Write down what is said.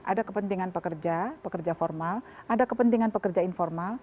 ada kepentingan pekerja pekerja formal ada kepentingan pekerja informal